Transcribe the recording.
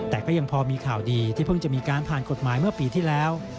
แต่ก็ยังพอมีข่าวดีที่เพิ่งจะมีการผ่านกฎหมายเมื่อปีที่แล้ว